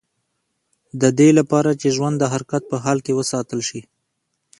د دې لپاره چې ژوند د حرکت په حال کې وساتل شي.